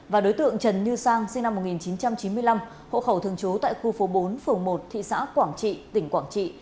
và đối tượng trần như sang sinh năm một nghìn chín trăm chín mươi năm hộ khẩu thường trú tại khu phố bốn phường một thị xã quảng trị tỉnh quảng trị